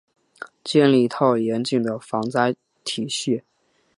建立一套严谨的防灾体系